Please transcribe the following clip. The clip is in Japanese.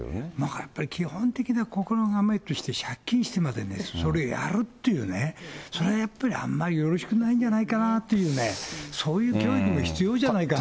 やっぱり基本的な心構えとして借金してまでね、それやるっていうね、それはやっぱりあんまりよろしくないんじゃないかなっていうね、そういう教育も必要じゃないかな。